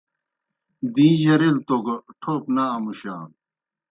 دیں جرِیلوْ توْ گہ ٹھوپ نہ امُشانوْ